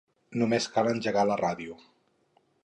Només cal engegar la ràdio